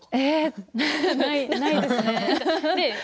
ないですね。